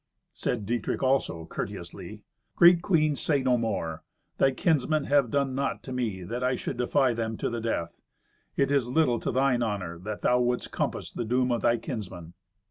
Said Dietrich also, courteously, "Great queen, say no more. Thy kinsmen have done naught to me that I should defy them to the death. It is little to thine honour that thou wouldst compass the doom of thy kinsmen.